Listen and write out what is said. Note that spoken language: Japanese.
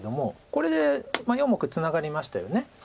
これで４目ツナがりましたよね。